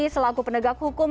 selaku penegak hukum